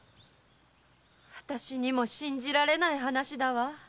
私にも信じられない話だわ。